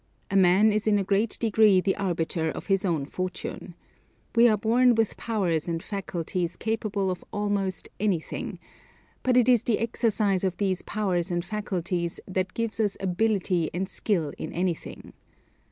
A man is in a great degree the arbiter of his own fortune. We are born with powers and faculties capable of almost anything, but it is the exercise of these powers and faculties that gives us ability and skill in anything.